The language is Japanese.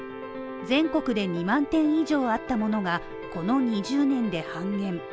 全国で２万店以上あったものがこの２０年で半減。